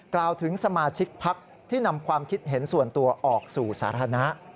กล่าวถึงสมาชิกพักที่นำความคิดเห็นส่วนตัวออกสู่สาธารณะ